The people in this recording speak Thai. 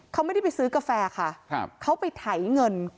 เขาไม่ได้ไปซื้อกาแฟค่ะเขาไปไถเงิน